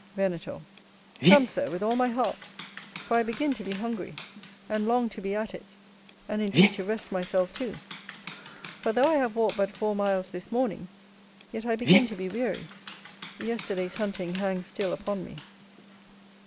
Venator. Come, Sir, with all my heart, for I begin to be hungry, and long to be at it, and indeed to rest myself too; for though I have walked but four miles this morning, yet I begin to be weary; yesterday's hunting hangs still upon me.